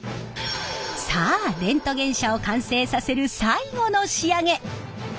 さあレントゲン車を完成させる最後の仕上げ！